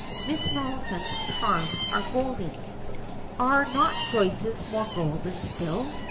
Miss Maliphant's charms are golden are not Joyce's more golden still?